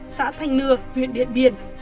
xã thanh nưa huyện điện biên